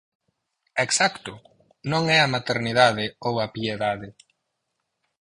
Exacto, non é a "Maternidade" ou a "Piedade".